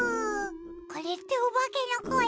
これっておばけのこえ？